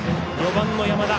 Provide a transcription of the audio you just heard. ４番の山田